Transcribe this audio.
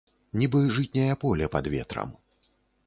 Нібы жытняе поле пад ветрам.